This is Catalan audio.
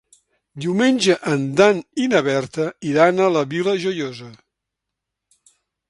Diumenge en Dan i na Berta iran a la Vila Joiosa.